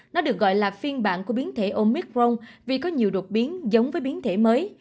nó được gọi là phiên bản của biến thể omic rong vì có nhiều đột biến giống với biến thể mới